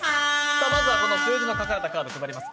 まずは数字の書かれたカードを配ります。